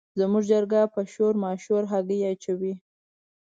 زموږ چرګه په شور ماشور هګۍ اچوي.